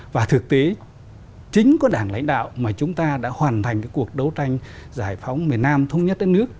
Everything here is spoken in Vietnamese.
và thực tế chính có đảng lãnh đạo mà chúng ta đã hoàn thành cuộc đấu tranh giải phóng miền nam thống nhất đất nước